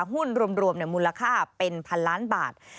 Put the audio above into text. หุ้นรวมมูลค่าเป็นพันล้านบาท